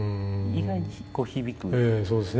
意外にこう響く。